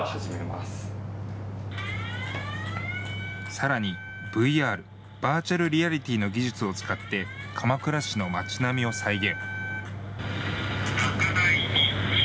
さらにＶＲ＝バーチャルリアリティーの技術を使って鎌倉市の町並みを再現。